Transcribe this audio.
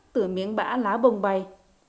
từ miếng bã lá bông bay